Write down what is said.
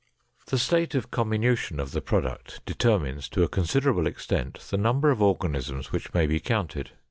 The state of comminution of the product determines to a considerable extent the number of organisms which may be counted.